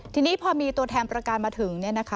ทีนี้พอมีตัวแทนประการมาถึง